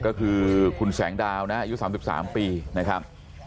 ก็คือคุณแสงดาวนะอายุสามสิบสามปีนะครับ